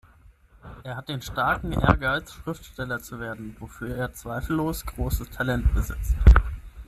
Er hat den starken Ehrgeiz, Schriftsteller zu werden, wofür er zweifellos großes Talent besitzt.